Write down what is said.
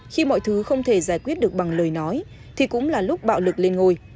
khi mọi thứ không thể giải quyết được bằng lời nói thì cũng là lúc bạo lực lên ngôi